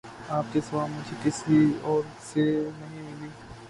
آپ کے سوا مجھے کسی اور سے نہیں ملی